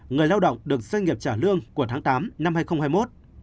người lao động được doanh nghiệp trả lương của tháng tám năm hai nghìn hai mươi một